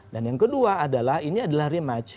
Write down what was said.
dan yang kedua adalah ini adalah rematch